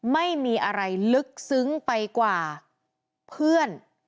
ไม่มีอะไรลึกซึ้งไปกว่าเพื่อน